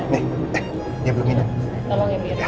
nih dia belum minum